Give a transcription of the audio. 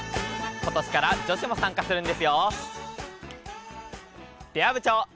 今年から女子も参加するんですよ！